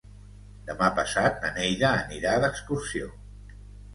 Demà passat na Neida anirà d'excursió.